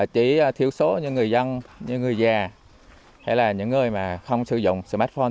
chỉ thiếu số những người dân những người già hay là những người không sử dụng smartphone